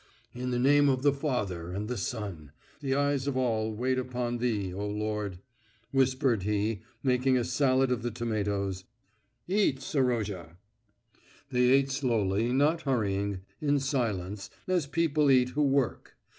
"In the name of the Father and the Son. The eyes of all wait upon Thee, O Lord," whispered he, making a salad of the tomatoes. "Eat, Serozha!" They ate slowly, not hurrying, in silence, as people eat who work.